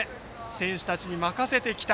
選手たちに任せてきた。